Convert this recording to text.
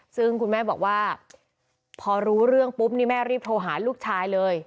ซึ่งคุณแม่บอกว่าพอรู้เรื่องปุ๊บนี่แม่รีบโทรหาลูกชายเลย